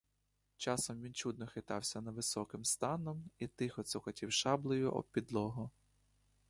Часом він чудно хитався невисоким станом і тихо цокотів шаблею об підлогу.